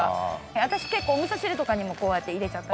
私結構お味噌汁とかにもこうやって入れちゃったりとか。